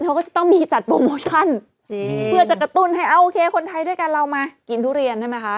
เขาก็จะต้องมีจัดโปรโมชั่นเพื่อจะกระตุ้นให้โอเคคนไทยด้วยกันเรามากินทุเรียนใช่ไหมคะ